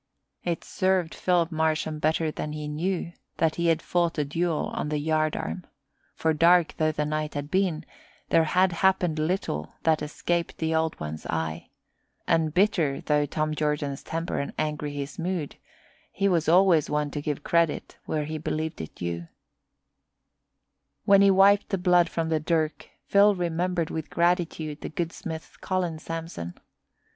It served Philip Marsham better than he knew that he had fought a duel on the yardarm; for dark though the night had been, there had happened little that escaped the Old One's eye; and bitter though Tom Jordan's temper and angry his mood, he was always one to give credit where he believed it due. When he wiped the blood from the dirk, Phil remembered with gratitude the good smith, Colin Samson.